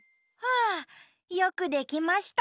あよくできました。